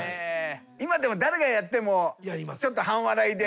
今では誰がやってもちょっと半笑いで。